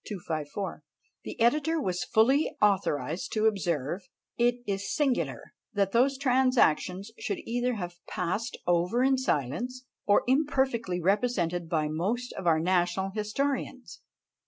The editor was fully authorised to observe, "It is singular that those transactions should either have been passed over in silence, or imperfectly represented by most of our national historians."